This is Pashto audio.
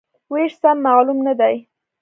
وېش سم معلوم نه دی.